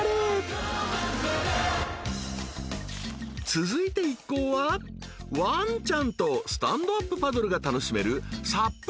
［続いて一行はワンちゃんとスタンドアップパドルが楽しめるＳＵＰ